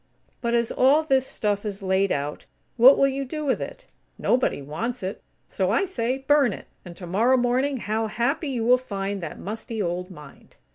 But, as all this stuff is laid out, what will you do with it? Nobody wants it. So I say, burn it, and tomorrow morning, how happy you will find that musty old mind!"